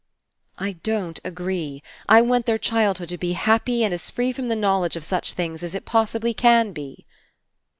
"I don't agree. I want their childhood to be happy and as free from the knowledge of such things as It possibly can be."